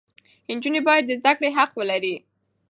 نجونې باید د زده کړې حق ولري.